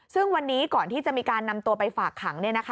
ซึ่งวันนี้ก่อนที่จะมีการนำตัวไปฝากขัง